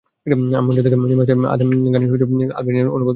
আমি মঞ্চ থেকে নেমে আসতেই আদেম গাশি আমার কবিতাটির আলবেনিয়ান অনুবাদ পড়ে শোনালেন।